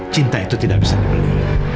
cinta itu tidak bisa dibeli